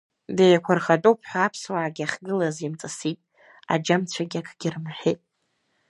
Деиқәырхатәуп ҳәа аԥсуаагьы ахьгылаз имҵысит, аџьамцәагьы акгьы рымҳәеит.